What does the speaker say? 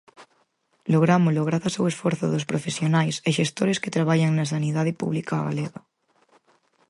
Lográmolo grazas ao esforzo dos profesionais e xestores que traballan na sanidade pública galega.